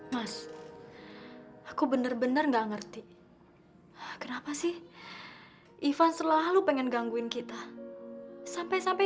mas aku bener bener nggak ngerti kenapa sih ivan selalu pengen gangguin kita sampai sampai